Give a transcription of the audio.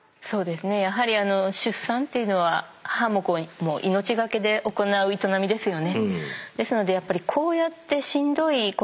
そうですねやはり出産っていうのは母も子も命懸けで行う営みですよね？